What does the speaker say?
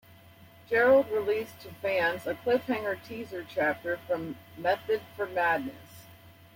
Gerrold released to fans a cliffhanger teaser chapter from "Method for Madness".